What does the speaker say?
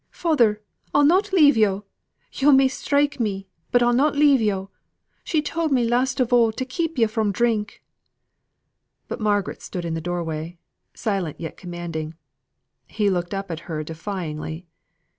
Father, I'll not leave yo'. Yo' may strike, but I'll not leave yo'. She told me last of all to keep yo' fro' drink!" But Margaret stood in the doorway, silent yet commanding. He looked up at her defyingly.